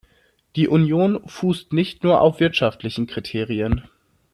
Die Union fußt nicht nur auf wirtschaftlichen Kriterien.